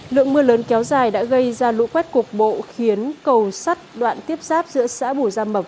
lượng mưa lớn kéo dài đã gây ra lũ quét cục bộ khiến cầu sắt đoạn tiếp giáp giữa xã bù gia mập